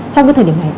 trong thời điểm này